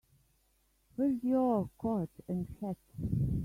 Where's your coat and hat?